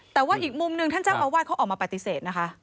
แต่ว่าอีกมุมหนึ่งท่านเจ้าอาวาสเขาออกมาปฏิเสธนะคะ